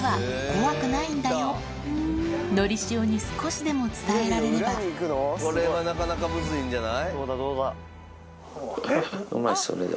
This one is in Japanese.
のりしおに少しでも伝えられればこれはなかなかムズいんじゃない？